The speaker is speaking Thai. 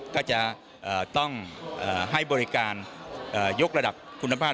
ก็จะต้องให้บริการยกระดับคุณภาพ